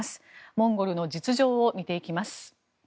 モンゴルの実情を見ていきます。